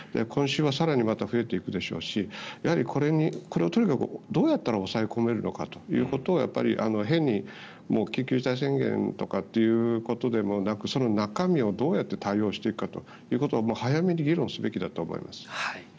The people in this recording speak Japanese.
今週は更に増えていくでしょうしやはりこれをとにかくどうやったら抑え込めるのかということを変に緊急事態宣言とかっていうことでもなくその中身をどうやって対応していくかを早めに議論すべきだと思います。